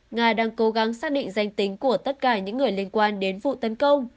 nga đang cố gắng xác định danh tính của tất cả những người liên quan đến vụ tấn công